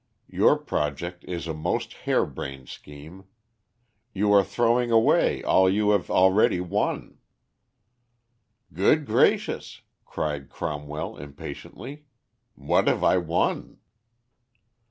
Your project is a most hare brained scheme. You are throwing away all you have already won." "Good gracious!" cried Cromwell, impatiently, "what have I won?"